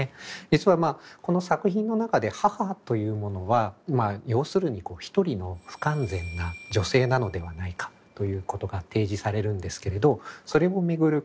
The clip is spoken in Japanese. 実はこの作品の中で母というものは要するにひとりの不完全な女性なのではないかということが提示されるんですけれどそれを巡る